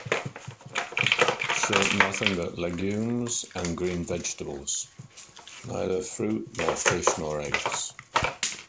She ate nothing but legumes and green vegetables: neither fruit nor fish nor eggs.